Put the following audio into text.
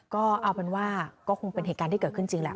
ก็เอาเป็นว่าก็คงเป็นเหตุการณ์ที่เกิดขึ้นจริงแหละ